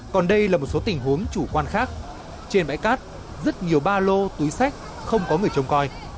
còn đây là một số tình huống chủ quan khác trên bãi cát rất nhiều ba lô túi sách không có người trông coi